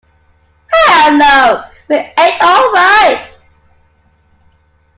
Hell No We Ain't All Right!